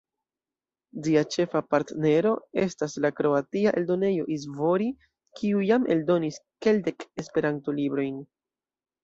Ĝia ĉefa partnero estas la kroatia eldonejo Izvori, kiu jam eldonis kelkdek Esperanto-librojn.